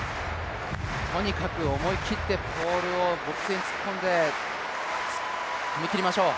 とにかく思い切ってポールをボックスに突っ込んで踏み切りましょう。